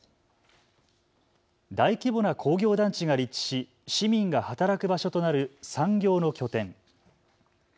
大規模な工業団地が立地し市民が働く場所となる産業の拠点。